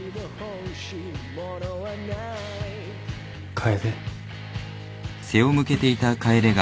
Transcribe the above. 楓。